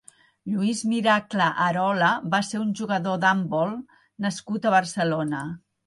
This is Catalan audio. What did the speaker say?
Lluís Miracle Arola va ser un jugador d'handbol nascut a Barcelona.